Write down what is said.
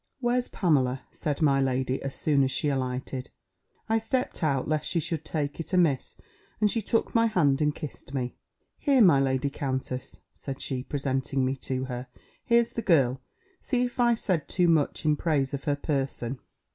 "Where's Pamela?" said my lady, as soon as she alighted. I stept out, lest she should take it amiss: and she took my hand, and kissed me: "Here, my lady countess," said she, presenting me to her, "here's the girl; see if I said too much in praise of her person."